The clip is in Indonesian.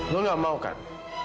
lo enggak mau kan